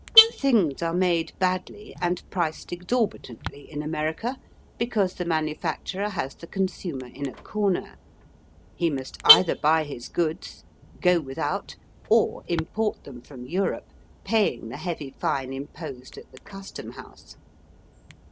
Things are made badly and priced exorbi tantly in America, because the manufacturer has the consumer in a comer. He must either buy his goods, go without, or import them from Europe, paying the heavy fine imposed at the Custom House.